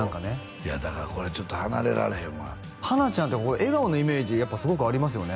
いやだからこれちょっと離れられへんわ花ちゃんって笑顔のイメージやっぱすごくありますよね